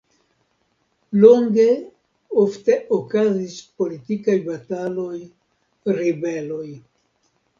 Longe ofte okazis politikaj bataloj, ribeloj.